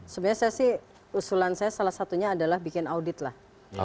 sebenarnya saya sih usulan saya salah satunya adalah bikin audit lah